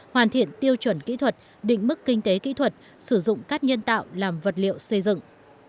hoàn thiện tiêu chuẩn kỹ thuật định mức kinh tế kỹ thuật sử dụng cát nhân tạo làm vật liệu xây dựng